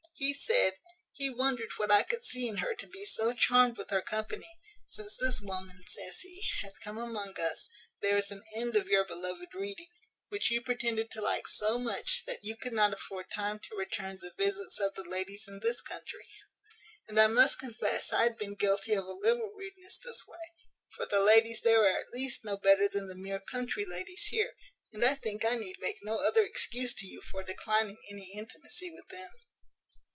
He said, he wondered what I could see in her to be so charmed with her company: since this woman, says he, hath come among us, there is an end of your beloved reading, which you pretended to like so much, that you could not afford time to return the visits of the ladies in this country; and I must confess I had been guilty of a little rudeness this way; for the ladies there are at least no better than the mere country ladies here; and I think I need make no other excuse to you for declining any intimacy with them.